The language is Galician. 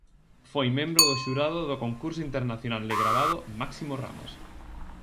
Foi membro do xurado do Concurso Internacional de Gravado Máximo Ramos.